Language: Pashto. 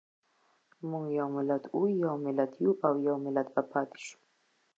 موږ یو ملت وو، یو ملت یو او يو ملت به پاتې شو.